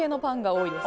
いいです。